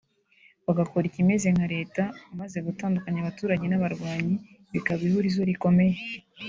bagakora ikimeze nka Leta maze gutandukanya abaturage n’abarwanyi bikaba ihurizo rikomeye